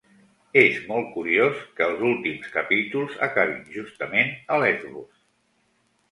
És molt curiós que els últims capítols acabin justament a Lesbos.